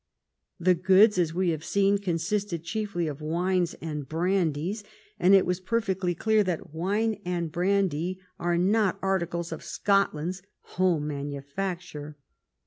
The goods, as we have seen, consisted chiefly of wines and brandies, and it was perfectly clear that wine and brandy are not articles of Scotland's home manufacture.